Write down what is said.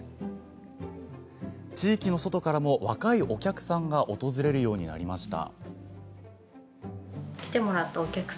地域の外からも、若いお客さんが訪れるようになりました。